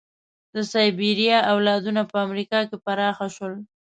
د سایبریا اولادونه په امریکا کې پراخه شول.